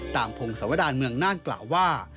พงศวดารเมืองน่านกล่าวว่า